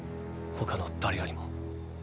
他の誰よりも。